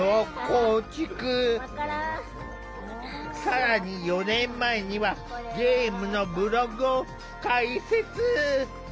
更に４年前にはゲームのブログを開設。